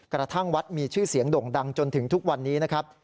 กระทั่งวัดมีชื่อเสียงด่งดังจนถึงทุกวันนี้นะครับ